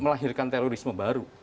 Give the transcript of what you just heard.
melahirkan terorisme baru